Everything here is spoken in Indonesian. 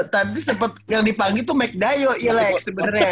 tadi sempet yang dipanggil tuh mc dayo iya lex sebenernya